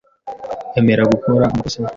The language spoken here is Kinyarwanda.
Emera gukora amakosa .